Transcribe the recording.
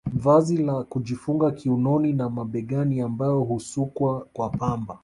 Vazi la kujifunga kiunoni na mabegani ambayo husukwa kwa pamba